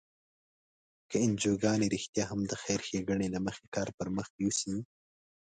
که انجوګانې رښتیا هم د خیر ښیګڼې له مخې کار پر مخ یوسي.